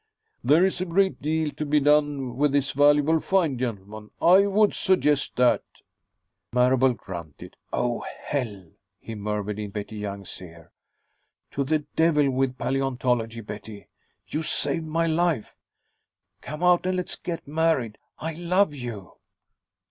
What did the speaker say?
There is a great deal to be done with this valuable find, gentlemen. I would suggest that "Marable grunted. "Oh, hell," he murmured in Betty Young's ear. "To the devil with paleontology, Betty. You saved my life. Come out and let's get married. I love you."